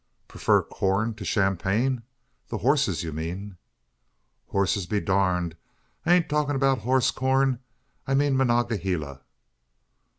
"Prefer corn to champagne! The horses you mean?" "Hosses be durned. I ain't talkin' 'bout hoss corn. I mean M'nongaheela."